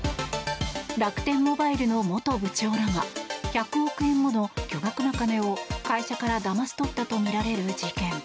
楽天モバイルの元部長らが１００億円もの巨額な金を会社からだまし取ったとみられる事件。